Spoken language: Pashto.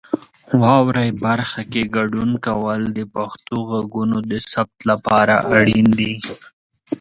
واورئ برخه کې ګډون کول د پښتو غږونو د ثبت لپاره اړین دي.